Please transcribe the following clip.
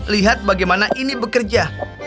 lihat bagaimana ini bekerja